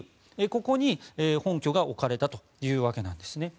ここに本拠が置かれたというわけです。